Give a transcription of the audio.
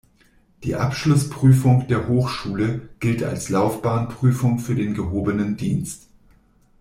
Die Abschlussprüfung der Hochschule gilt als Laufbahnprüfung für den gehobenen Dienst.